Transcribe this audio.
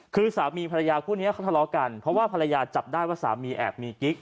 คือสามีภรรยาคู่นี้เขาทะเลาะกันเพราะว่าภรรยาจับได้ว่าสามีแอบมีกิ๊ก